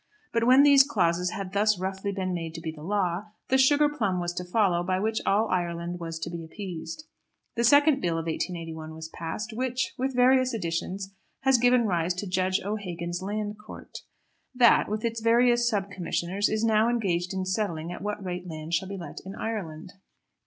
But when these clauses had thus roughly been made to be the law, the sugar plum was to follow by which all Ireland was to be appeased. The second Bill of 1881 was passed, which, with various additions, has given rise to Judge O'Hagan's Land Court. That, with its various sub commissioners, is now engaged in settling at what rate land shall be let in Ireland.